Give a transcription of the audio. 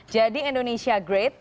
jadi indonesia great